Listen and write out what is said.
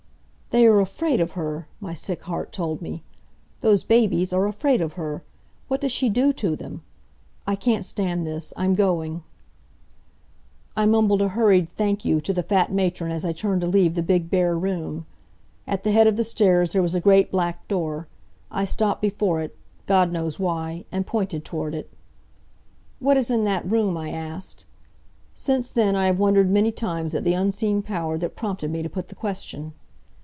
"They are afraid of her!" my sick heart told me. "Those babies are afraid of her! What does she do to them? I can't stand this. I'm going." I mumbled a hurried "Thank you," to the fat matron as I turned to leave the big, bare room. At the head of the stairs there was a great, black door. I stopped before it God knows why! and pointed toward it. "What is in that room?" I asked. Since then I have wondered many times at the unseen power that prompted me to put the question.